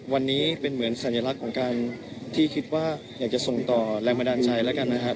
วันนี้เป็นเหมือนสัญลักษณ์ของการที่คิดว่าอยากจะส่งต่อแรงบันดาลใจแล้วกันนะครับ